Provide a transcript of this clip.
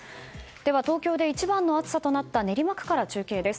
では、東京で一番の暑さとなった練馬区から中継です。